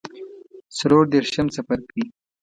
څلور دیرشم څپرکی